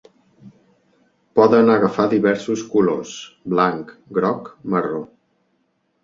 Poden agafar diversos colors: blanc, groc, marró.